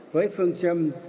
với phương châm